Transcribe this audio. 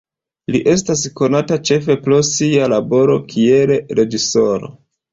Li estas konata ĉefe pro sia laboro kiel reĝisoro.